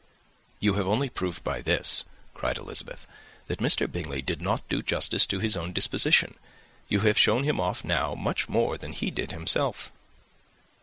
"You have only proved by this," cried Elizabeth, "that Mr. Bingley did not do justice to his own disposition. You have shown him off now much more than he did himself."